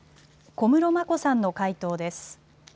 小室眞子さんの回答です。